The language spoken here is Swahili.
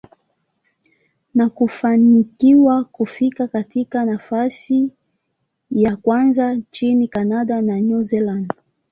na kufanikiwa kufika katika nafasi ya kwanza nchini Canada na New Zealand.